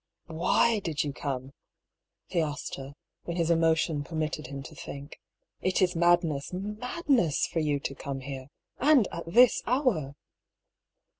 " Why did you come ?" he asked her, when his emotion permitted him to think. ^^It is madness — madness — ^f or you to come here ! And at this hour